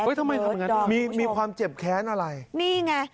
เวิร์ดด้อมทุกคนค่ะมีมีความเจ็บแค้นอะไรนี่ไง